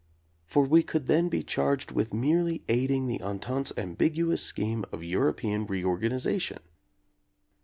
For we could then be charged with merely aiding the En tente's ambiguous scheme of European reorganiza tion.